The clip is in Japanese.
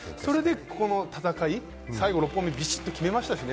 この戦い、最後６本目ビシッと決めましたしね。